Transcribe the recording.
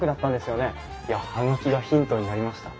いや葉書がヒントになりました。